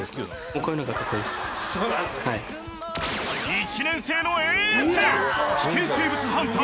［１年生のエース］